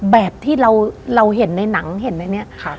แบบที่เราเห็นในหนังเห็นในนี้